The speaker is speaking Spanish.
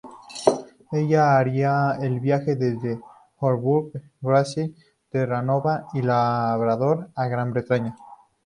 Ella haría el viaje desde Harbour Grace, Terranova y Labrador, a Gran Bretaña.